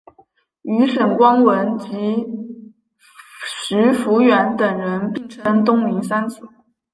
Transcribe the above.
与沈光文及徐孚远等人并称东宁三子。